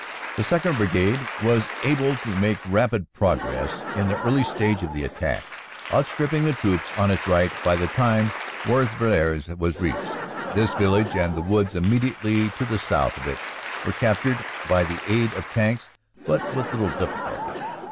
The 2nd. Brigade was able to make rapid progress in the early stage of the attack, outstripping the troops on its right by the time Warvillers was reached. This village and the woods immediately to the south of it were captured by the aid of tanks with but little difficulty.